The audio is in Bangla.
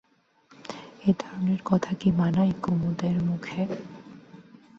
এ ধরনের কথা কি মানায় কুমুদের মুখে?